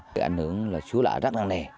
cái ảnh hưởng là chú lạ rất đáng đề